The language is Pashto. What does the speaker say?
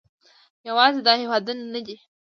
یوازې دا هېوادونه نه دي